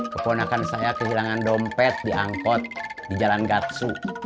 keponakan saya kehilangan dompet di angkot di jalan gatsu